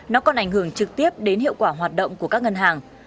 nó còn ảnh hưởng trực tiếp đến hiệu quả hoạt động của các ngân hàng